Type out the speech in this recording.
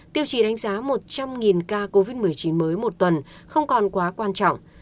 tiêu chí đánh giá một trăm linh ca covid một mươi chín mới một tuần không còn quá quan trọng